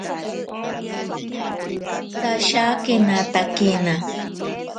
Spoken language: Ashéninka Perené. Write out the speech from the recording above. Tashakenatakena.